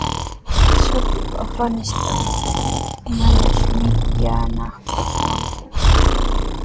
Shatupa wasintraw manashi mikuyaananpaq kanku.